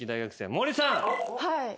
はい。